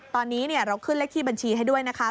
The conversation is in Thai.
ตอนนี้เราขึ้นเลขที่บัญชีให้ด้วยนะคะ